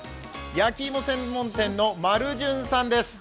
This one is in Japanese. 焼き芋専門店の丸じゅんさんです。